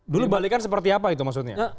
dibalikan seperti apa itu maksudnya